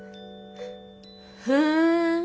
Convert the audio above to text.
ふん。